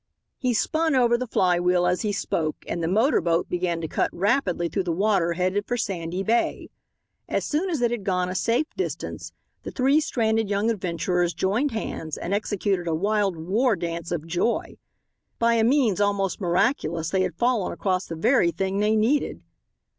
He spun over the fly wheel as he spoke and the motor boat began to cut rapidly through the water headed for Sandy Bay. As soon as it had gone a safe distance the three stranded young adventurers joined hands and executed a wild war dance of joy. By a means almost miraculous they had fallen across the very thing they needed.